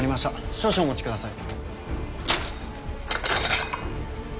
少々お待ちください。